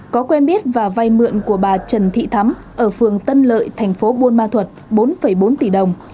có quen biết và vay mượn của bà trần thị thắm ở phường tân lợi thành phố buôn ma thuật bốn bốn tỷ đồng